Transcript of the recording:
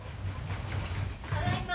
ただいま。